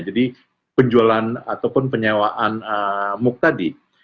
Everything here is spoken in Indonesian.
jadi penjualan ataupun penyewaan mooc tadi